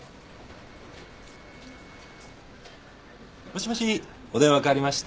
もしもし。